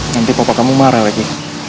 nanti papa kamu marah lagi